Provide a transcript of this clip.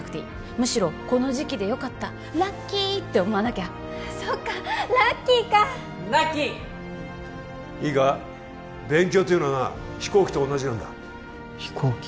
むしろこの時期でよかったラッキーって思わなきゃそっかラッキーかラッキーいいか勉強っていうのはな飛行機と同じなんだ飛行機？